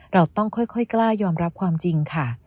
เราต้องค่อยกล้ายอมรับความจริงค่ะ